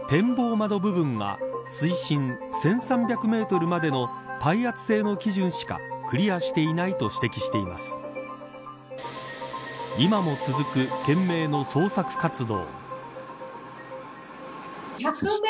窓部分は水深１３００メートルまでの耐圧性能基準しかクリアしていないと今も続く懸命の捜索活動。